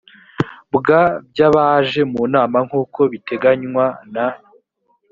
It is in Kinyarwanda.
bwa by abaje mu nama nkuko bitenganywa n